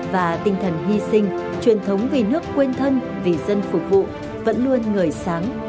và tinh thần hy sinh truyền thống vì nước quên thân vì dân phục vụ vẫn luôn người sáng